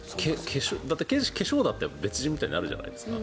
だって、化粧だって別人みたいになるじゃないですか。